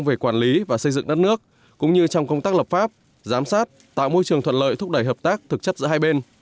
về quản lý và xây dựng đất nước cũng như trong công tác lập pháp giám sát tạo môi trường thuận lợi thúc đẩy hợp tác thực chất giữa hai bên